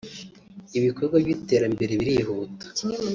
ibikorwa by’iterambere birihuta